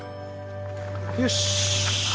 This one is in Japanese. よし。